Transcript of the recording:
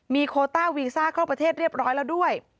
มีโคต้าวีซ่าเข้าประเทศเรียบร้อยแล้วด้วย